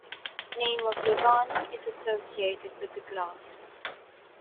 Name of Livani is associated with the glass.